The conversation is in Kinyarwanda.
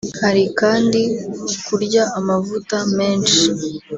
Hari kandi kurya amavuta menshi